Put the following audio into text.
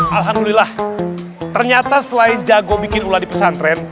alhamdulillah ternyata selain jago bikin ulah di pesantren